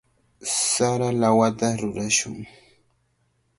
Sara lawata rurashun.